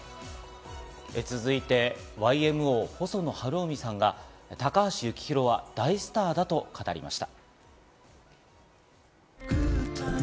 続いてＹＭＯ・細野晴臣さんが高橋幸宏は大スターだと語りました。